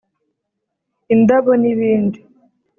indabo n’ibindi)